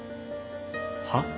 はっ？